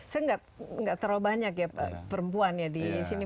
saya tidak terlalu banyak ya perempuan di sini